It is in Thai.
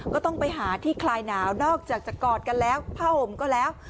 ก็ต้องไปหาที่คลายหนาวนอกจากจะกอดกันแล้วผ้าห่มก็แล้ว